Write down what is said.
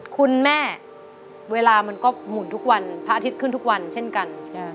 คุณแม่เวลามันก็หมุนทุกวันพระอาทิตย์ขึ้นทุกวันเช่นกัน